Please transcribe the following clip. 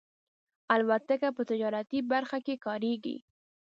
الوتکه په تجارتي برخه کې کارېږي.